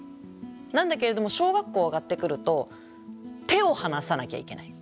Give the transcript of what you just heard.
なんだけれども小学校上がってくると手を離さなきゃいけない。